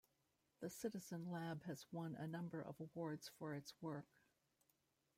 The Citizen Lab has won a number of awards for its work.